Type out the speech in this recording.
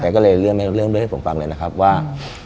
แกเรื่องให้เริ่มบนให้ผมฟังเลยนะครับว่า